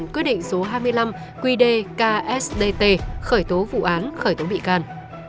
quy đề ksdt khởi tố vụ án khởi tố bị can